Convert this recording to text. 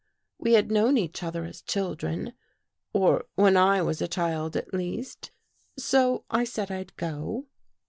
We had known each other as children — or when I was a child, at least. So I said I'd go."